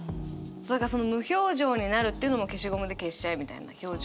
何かその無表情になるっていうのも消しゴムで消しちゃえみたいな表情も。